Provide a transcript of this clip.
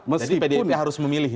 jadi pdip harus memilih